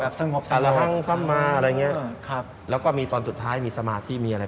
แบบส่งพบส่งพบอะไรอย่างนี้แล้วก็มีตอนสุดท้ายมีสมาธิมีอะไร